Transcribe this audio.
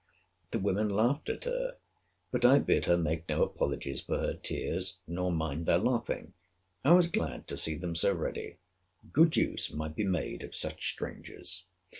— The women laughed at her; but I bid her make no apologies for her tears, nor mind their laughing. I was glad to see them so ready. Good use might be made of such strangers.